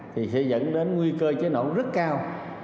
thì sẽ dẫn đến nguy cơ cháy nổ rất cao